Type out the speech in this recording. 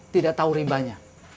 tidak tahu rimbanya